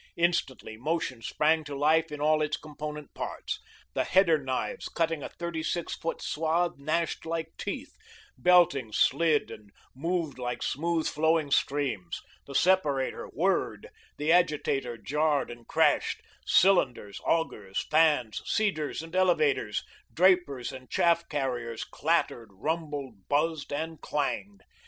Instantly, motion sprang to life in all its component parts; the header knives, cutting a thirty six foot swath, gnashed like teeth; beltings slid and moved like smooth flowing streams; the separator whirred, the agitator jarred and crashed; cylinders, augers, fans, seeders and elevators, drapers and chaff carriers clattered, rumbled, buzzed, and clanged.